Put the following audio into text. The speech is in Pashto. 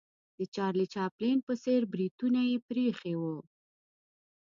د چارلي چاپلین په څېر بریتونه یې پرې ایښې ول.